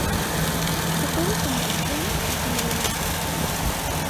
Se puede tomar con o sin alimentos.